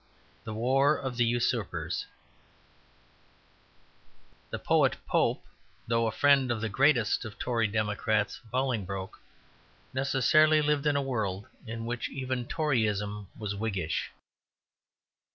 X THE WAR OF THE USURPERS The poet Pope, though a friend of the greatest of Tory Democrats, Bolingbroke, necessarily lived in a world in which even Toryism was Whiggish.